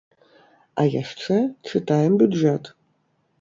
А яшчэ чытаем бюджэт!